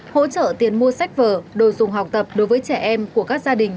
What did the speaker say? hỗ trợ tiền mua sách vở đồ dùng học tập đối với trẻ em của các gia đình